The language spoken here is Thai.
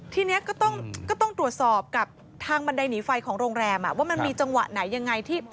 ทีนี้ก็ต้องตรวจสอบกับทางบันไดหนีไฟของโรงแรมว่ามันมีจังหวะไหนยังไง